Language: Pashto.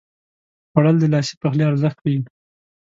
خوړل د لاسي پخلي ارزښت ښيي